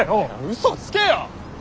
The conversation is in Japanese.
嘘つけよ！